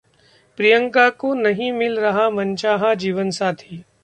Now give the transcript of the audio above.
प्रियंका को नहीं मिल रहा मनचाहा जीवनसाथी